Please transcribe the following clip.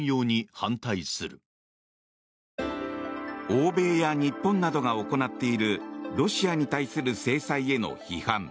欧米や日本などが行っているロシアに対する制裁への批判。